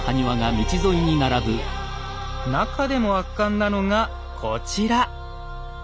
なかでも圧巻なのがこちら。